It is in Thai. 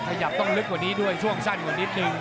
ขยับต้องลึกกว่านี้ด้วยช่วงสั้นกว่านิดนึง